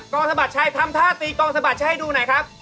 สะบัดชัยทำท่าตีกองสะบัดใช้ให้ดูหน่อยครับ